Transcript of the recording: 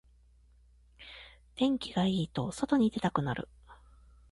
天気がいいと外に出たくなる